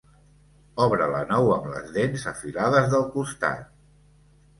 Obre la nou amb les dents afilades del costat.